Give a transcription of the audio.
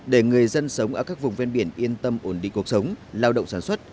để người dân sống ở các vùng ven biển yên tâm ổn định cuộc sống lao động sản xuất